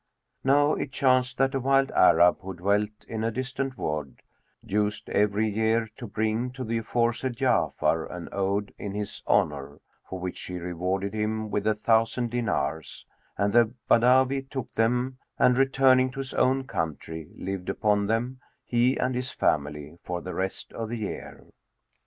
Now it chanced that a wild Arab, who dwelt in a distant word, used every year to bring to the aforesaid Ja'afar an ode[FN#225] in his honour, for which he rewarded him with a thousand dinars; and the Badawi took them and, returning to his own country, lived upon them, he and his family, for the rest of the year.